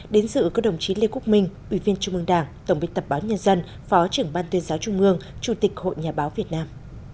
đến dự có đồng chí lê quốc minh ủy viên trung ương đảng tổng biên tập báo nhân dân phó trưởng ban tuyên giáo trung mương chủ tịch hội nhà báo việt nam